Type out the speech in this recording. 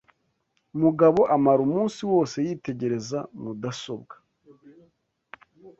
Mugabo amara umunsi wose yitegereza mudasobwa.